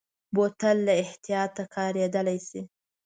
بوتل له احتیاطه کارېدلی شي.